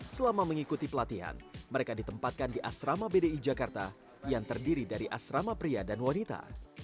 selama mengikuti pelatihan mereka ditempatkan di asrama bdi jakarta yang terdiri dari asrama pria dan wanita